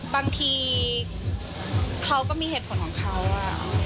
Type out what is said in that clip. บางทีเขาก็มีเหตุผลของเขาอะ